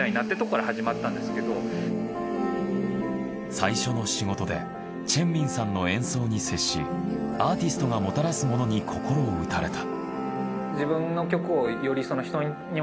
最初の仕事でチェンミンさんの演奏に接しアーティストがもたらすものに心打たれた。